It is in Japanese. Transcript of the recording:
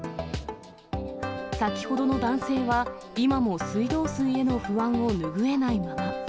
先ほどの男性は、今も水道水への不安を拭えないまま。